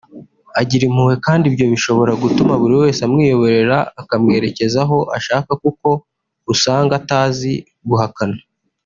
Agira impuhwe kandi ibyo bishobora gutuma buri wese amwiyoborera akamwerekeza aho ashaka kuko usanga atazi guhakana